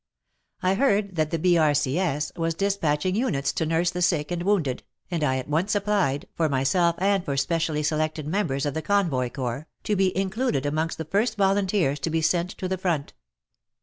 I heard that the B.R.C.S. was dispatching units to nurse the sick and wounded, and I at once applied, for myself and for specially selected members of the Convoy Corps, to be included amongst the first volunteers to be sent to the front.